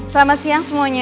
selamat siang semuanya